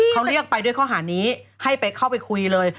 เขาเรียกไปด้วยข้อหานี้ให้ไปเข้าไปคุยเลย